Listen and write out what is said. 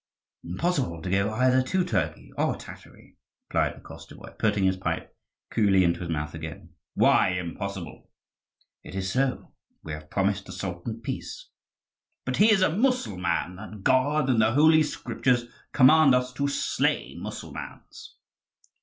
"Impossible to go either to Turkey or Tatary," replied the Koschevoi, putting his pipe coolly into his mouth again. "Why impossible?" "It is so; we have promised the Sultan peace." "But he is a Mussulman; and God and the Holy Scriptures command us to slay Mussulmans."